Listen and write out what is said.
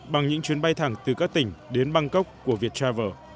bằng những chuyến bay thẳng từ các tỉnh đến bangkok của viettravel